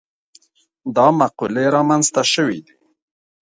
دا مقولې رامنځته شوي دي.